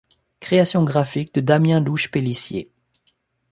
Création graphique de Damien Louche-Pélissier.